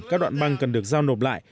các đoạn băng cần được giao nộp lại